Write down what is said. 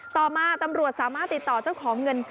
ต่อมาตำรวจสามารถติดต่อเจ้าของเงิน